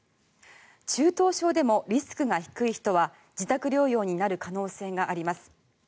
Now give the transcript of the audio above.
中等症でもリスクが低い人は自宅療養になる可能性があります。